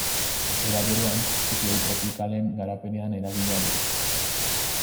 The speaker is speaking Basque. Era berean, zikloi tropikalen garapenean eragina du.